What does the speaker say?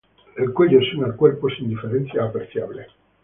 El cuello se une al cuerpo sin diferencias apreciables.